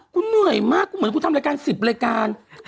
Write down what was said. เหนื่อยมากกูเหมือนกูทำรายการ๑๐รายการ